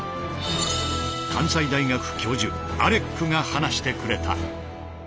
関西大学教授アレックが話してくれた。